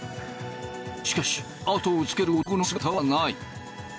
しかし後をつける男の姿はない。